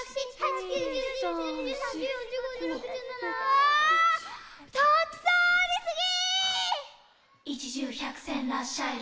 ああたくさんありすぎ！